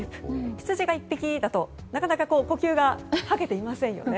ヒツジが１匹だとなかなか呼吸が吐けていませんよね。